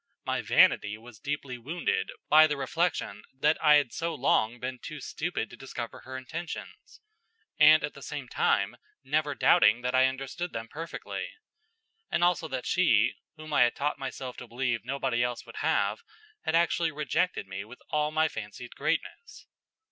My vanity was deeply wounded by the reflection that I had so long been too stupid to discover her intentions, and at the same time never doubting that I understood them perfectly; and also that she, whom I had taught myself to believe nobody else would have, had actually rejected me with all my fancied greatness.